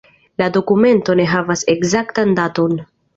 La dokumento ne havas ekzaktan daton.